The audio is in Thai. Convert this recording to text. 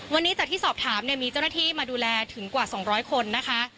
วันนี้จากที่สอบถามเนี่ยมีเจ้าหน้าที่มาดูแลถึงกว่า๒๐๐คนนะคะ